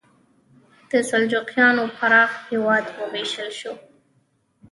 د سلجوقیانو پراخ هېواد وویشل شو.